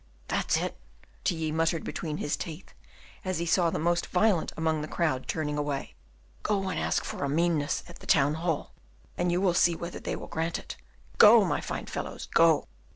"That's it," Tilly muttered between his teeth, as he saw the most violent among the crowd turning away; "go and ask for a meanness at the Town hall, and you will see whether they will grant it; go, my fine fellows, go!"